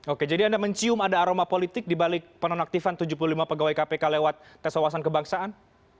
oke jadi anda mencium ada aroma politik dibalik penonaktifan tujuh puluh lima pegawai kpk lewat tes wawasan kebangsaan